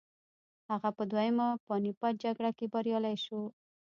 هغه په دویمه پاني پت جګړه کې بریالی شو.